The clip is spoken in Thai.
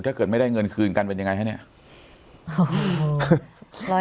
ถ้าเกิดไม่ได้เงินคืนกันเป็นยังไงคะเนี่ย